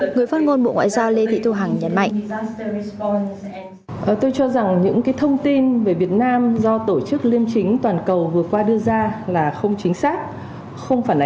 người phát ngôn bộ ngoại giao lê thị thu hằng